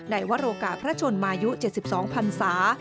วโอกาสพระชนมายุ๗๒พันศา